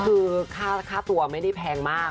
คือค่าตัวไม่ได้แพงมาก